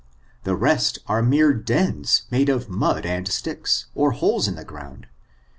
The rest are mere dens made of mud and sticks, or holes in the ground.